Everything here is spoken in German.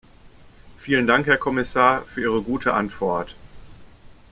Vielen Dank, Herr Kommissar, für Ihre gute Antwort!